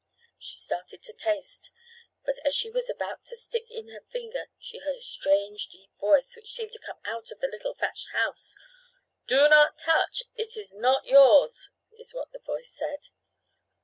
She started to taste, but as she was about to stick in her finger she heard a strange deep voice which seemed to come out of the little thatched house. "Do not touch. It is not yours," is what the voice said.